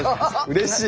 うれしい！